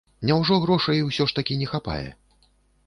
Няўжо грошай усё ж такі не хапае?